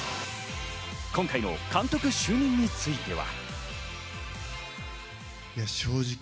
今回の監督就任については。